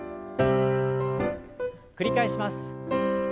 繰り返します。